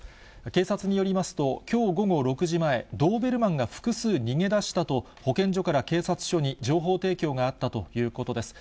警察によりますと、きょう午後６時前、ドーベルマンが複数逃げ出したと、保健所から警察署に情報提供があったということです。